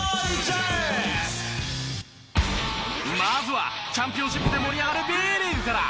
まずはチャンピオンシップで盛り上がるＢリーグから。